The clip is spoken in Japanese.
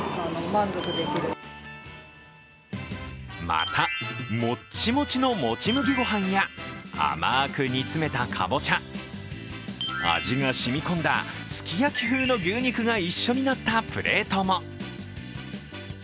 また、もっちもちのもち麦ご飯や甘く煮詰めたかぼちゃ、味が染み込んだすき焼風の牛肉が一緒になったプレートも。